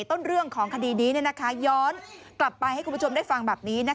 ต้นเรื่องของคดีนี้ย้อนกลับไปให้คุณผู้ชมได้ฟังแบบนี้